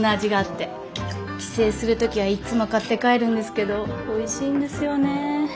帰省する時はいつも買って帰るんですけどおいしいんですよね。